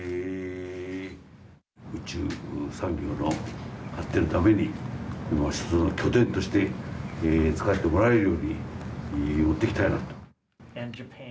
宇宙産業の発展のために拠点として使ってもらえるよう見守っていきたいなと。